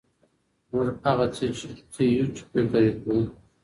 موږ هغه څه یو چي فکر یې کوو.